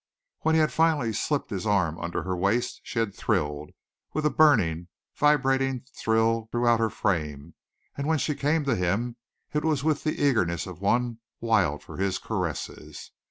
When he had finally slipped his arm under her waist she had thrilled with a burning, vibrating thrill throughout her frame and when she came to him it was with the eagerness of one wild for his caresses.